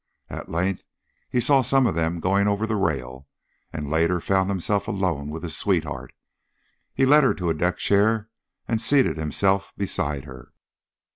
At length he saw some of them going over the rail, and later found himself alone with his sweetheart. He led her to a deck chair, and seated himself beside her.